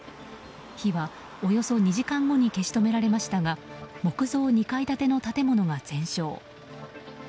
火は、およそ２時間後に消し止められましたが木造２階建ての建物が全焼。